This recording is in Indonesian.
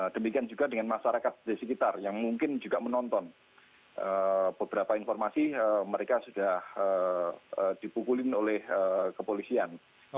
demikian juga dengan masyarakat di sekitar yang mungkin juga menonton beberapa informasi mereka sudah dipukulin oleh kepolisian